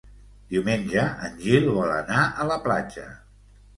Diumenge en Gil vol anar a la platja.